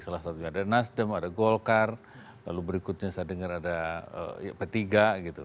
salah satunya ada nasdem ada golkar lalu berikutnya saya dengar ada petiga